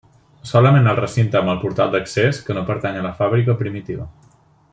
Solament el recinte amb el portal d'accés, que no pertany a la fàbrica primitiva.